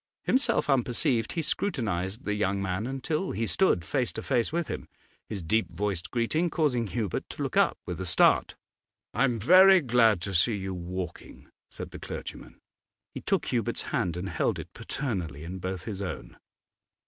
Himself unperceived, he scrutinised the young man until he stood face to face with him; his deep voiced greeting caused Hubert to look up' with a start. 'I'm very glad to see you walking,' said the clergyman. He took Hubert's hand and held it paternally in both his own.